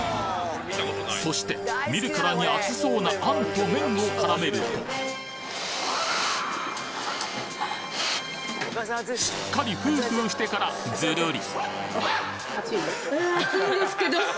そして見るからに熱そうな餡と麺を絡めるとしっかりふふしてからずるり！